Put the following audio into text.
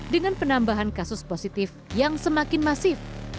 dengan penambahan kasus positif yang semakin masif